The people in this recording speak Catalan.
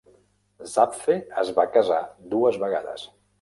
Zapffe es va casar dues vegades.